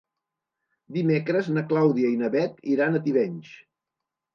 Dimecres na Clàudia i na Bet iran a Tivenys.